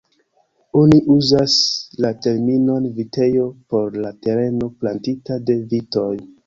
Oni uzas la terminon vitejo por la tereno plantita de vitoj.